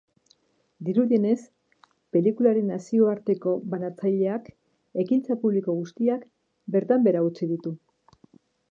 Dirudienez, pelikularen nazioarteko banatzaileak ekintza publiko guztiak bertan behera utzi ditu.